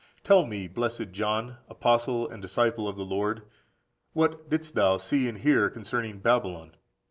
Tell me, blessed John, apostle and disciple of the Lord, what didst thou see and hear concerning Babylon?